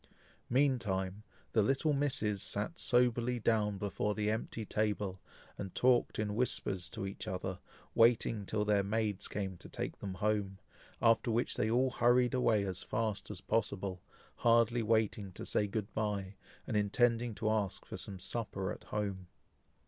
Meantime, the little misses sat soberly down before the empty table, and talked in whispers to each other, waiting till their maids came to take them home, after which they all hurried away as fast as possible, hardly waiting to say "good bye," and intending to ask for some supper at home.